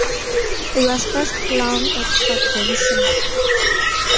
It was first flown at Fort Johnson.